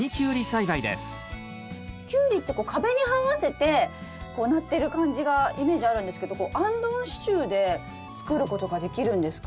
キュウリってこう壁にはわせてなってる感じがイメージあるんですけどあんどん支柱で作ることができるんですか？